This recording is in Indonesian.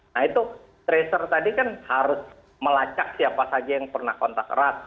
nah itu tracer tadi kan harus melacak siapa saja yang pernah kontak erat